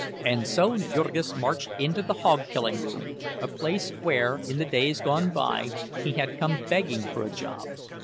And so Jurgis marched into the hog killing room, a place where, in the days gone by, he had come begging for a job.